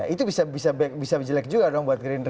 itu bisa jelek juga dong buat gerindra